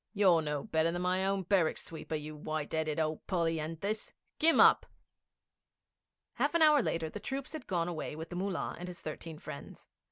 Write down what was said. You're no better than my own barrack sweeper, you white 'eaded old polyanthus! Kim up!' Half an hour later the troops had gone away with the Mullah and his thirteen friends.